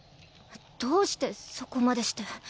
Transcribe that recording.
どうしてそこまでして。